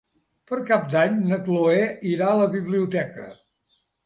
Per Cap d'Any na Chloé irà a la biblioteca.